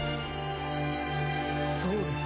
そうですね。